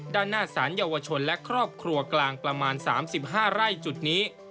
ด้านหน้าสารเยาวชนและครอบครัวกลางประมาณ๓๕ไร่จุดนี้